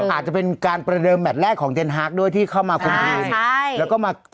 อาจจะเป็นการเบิดเริ่มแมตต์แรกของเจนฮาร์คด้วยที่เข้ามาควบคุม